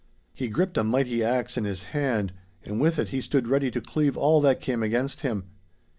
He gripped a mighty axe in his hand, and with it he stood ready to cleave all that came against him.